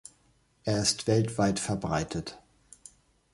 Er ist weltweit verbreitet.